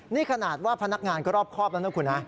นี่ขนาดว่าพนักงานก็รอบครอบแล้วนะคุณฮะ